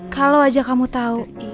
kalau aja kamu tau